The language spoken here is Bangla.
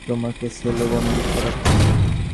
তোমাকে সেলে বন্দি করাটা।